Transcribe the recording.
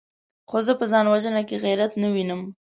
خو زه په ځان وژنه کې غيرت نه وينم!